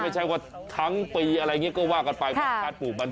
คือใช่ว่าทั้งปีเยี่ยมก็ว่ากันไป